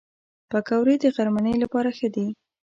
پکورې د غرمنۍ لپاره ښه دي